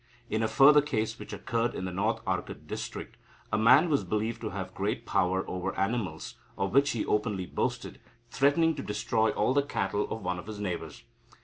In a further case which occurred in the North Arcot district, a man was believed to have great power over animals, of which he openly boasted, threatening to destroy all the cattle of one of his neighbours.